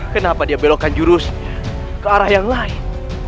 kenapa dia belokkan jurus ke arah yang lain